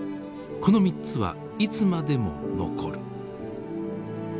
この三つはいつまでも残る」。